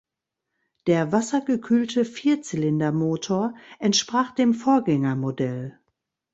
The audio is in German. Der wassergekühlte Vierzylindermotor entsprach dem Vorgängermodell.